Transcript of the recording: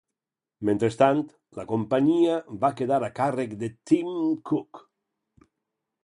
Mentrestant, la companyia va quedar a càrrec de Tim Cook.